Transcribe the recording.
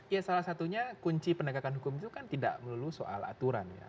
ya salah satunya kunci penegakan hukum itu kan tidak melulu soal aturan ya